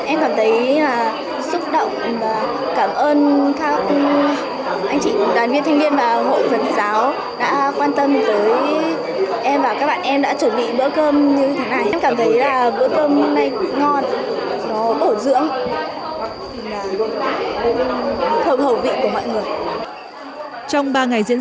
em cảm thấy xúc động và cảm ơn các anh chị đàn viên thanh niên và hội phật giáo đã quan tâm tới em và các bạn em đã chuẩn bị bữa cơm như thế này